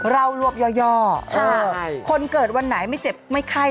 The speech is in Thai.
รวบย่อคนเกิดวันไหนไม่เจ็บไม่ไข้